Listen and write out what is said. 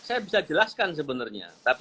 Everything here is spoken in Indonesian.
saya bisa jelaskan sebenarnya